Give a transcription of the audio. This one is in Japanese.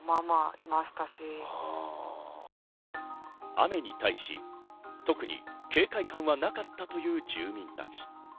雨に対し、特に警戒感はなかったという住民たち。